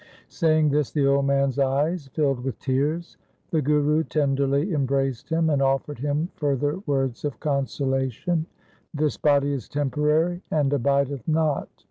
Saying this, the old man's eyes filled with tears. The Guru tenderly embraced him, and offered him further words of consolation —' This body is temporary and abideth not.